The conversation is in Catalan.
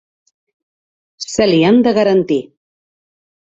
Se li han de garantir.